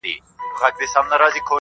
او خپل گرېوان يې تر لمني پوري څيري کړلو.